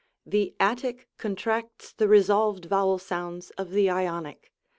The Attic contracts the resolved vowel sounds of the Ionic.